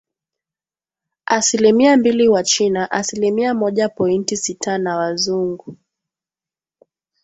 Asilimia mbili Wachina asilimia moja pointi sitana Wazungu